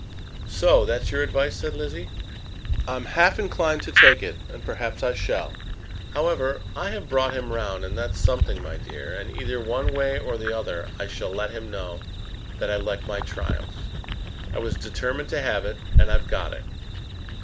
"So; that's your advice," said Lizzie. "I'm half inclined to take it, and perhaps I shall. However, I have brought him round, and that's something, my dear. And either one way or the other, I shall let him know that I like my triumph. I was determined to have it, and I've got it."